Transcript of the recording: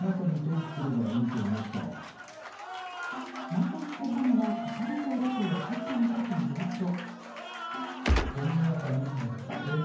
なぜ捨てたのが係長だと分かったのかというと。